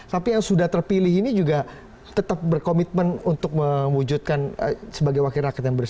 tapi yang sudah terpilih ini juga tetap berkomitmen untuk mewujudkan sebagai wakil rakyat yang bersih